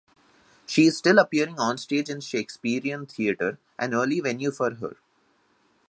She is still appearing onstage in Shakesperian theatre- an early venue for her.